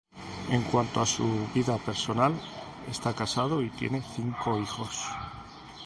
En cuanto a su vida personal, está casado y tiene cinco hijos.